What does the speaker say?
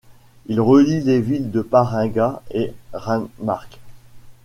Il relie les villes de Paringa et Renmark.